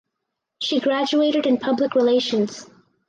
She graduated in Public Relations.